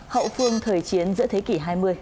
hậu phương thời chiến giữa thế kỷ hai mươi